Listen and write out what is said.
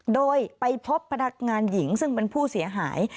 โดยไปพบพนักงานหญิงซึ่งเป็นผู้เสียหาย